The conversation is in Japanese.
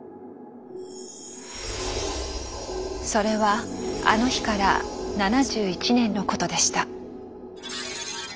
それはあの日から７１年のことでした。